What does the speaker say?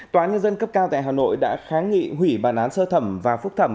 tòa án nhân dân cấp cao tại hà nội đã kháng nghị hủy bản án sơ thẩm và phúc thẩm